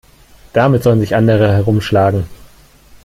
Damit sollen sich andere herumschlagen.